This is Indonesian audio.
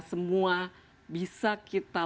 semua bisa kita